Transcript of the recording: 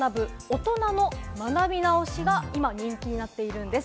大人の学び直しが今人気になっているんです。